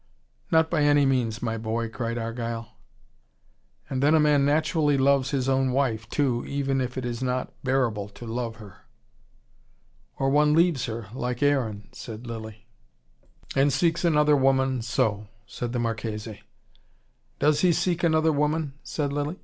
"Not by any means, my boy," cried Argyle. "And then a man naturally loves his own wife, too, even if it is not bearable to love her." "Or one leaves her, like Aaron," said Lilly. "And seeks another woman, so," said the Marchese. "Does he seek another woman?" said Lilly.